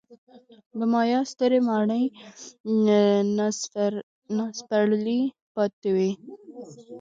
د مایا سترې ماڼۍ ناسپړلي پاتې وو.